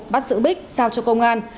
bắt giữ bích giao cho công an